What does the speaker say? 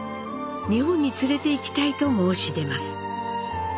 日本に連れていきたいと申し出ます。